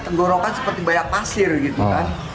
tenggorokan seperti banyak pasir gitu kan